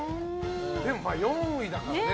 でも４位だからね。